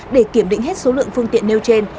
để kiểm định hết số lượng phương tiện nêu trên